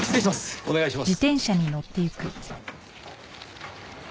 お願いします。